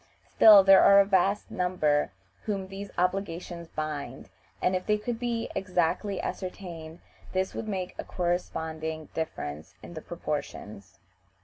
Still there are a vast number whom these obligations bind, and, if they could be exactly ascertained, this would make a corresponding difference in the proportions.